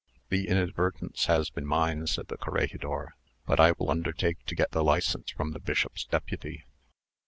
"The inadvertance has been mine," said the corregidor; "but I will undertake to get the license from the bishop's deputy."